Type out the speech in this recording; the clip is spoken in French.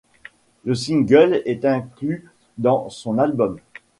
Le single est inclus dans son album '.